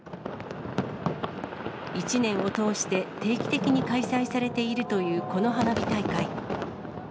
１年を通して定期的に開催されているというこの花火大会。